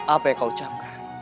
apa yang kau ucapkan